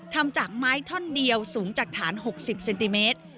ทำจากไม้ท่อนเดียวสูงจากฐาน๖๐เซนติเมตร